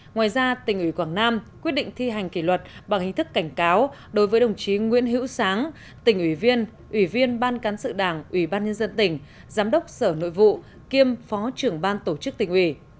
ngoài ra tỉnh ủy quảng nam quyết định thi hành kỷ luật bằng hình thức cảnh cáo đối với đồng chí nguyễn hữu sáng tỉnh ủy viên ủy viên ban cán sự đảng ủy ban nhân dân tỉnh giám đốc sở nội vụ kiêm phó trưởng ban tổ chức tỉnh ủy